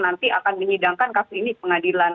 nanti akan menyidangkan kasih ini pengadilan